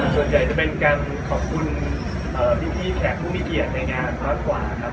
ส่วนใหญ่จะเป็นการขอบคุณพี่แขกผู้มิเกียจในงานมากกว่าครับ